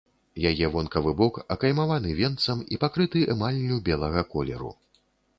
Яе вонкавы бок акаймаваны венцам і пакрыты эмаллю белага колеру.